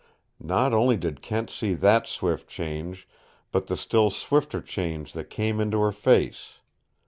Not only did Kent see that swift change, but the still swifter change that came into her face.